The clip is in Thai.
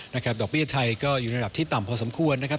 ดอกเบี้ยไทยก็อยู่ระดับที่ต่ำพอสมควรนะครับ